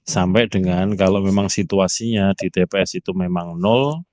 sampai dengan kalau memang situasinya di tps itu memang nol